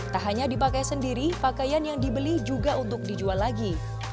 tak hanya dipakai sendiri pakaian yang dibeli juga untuk dijual lagi